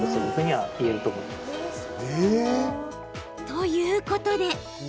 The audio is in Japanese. ということで。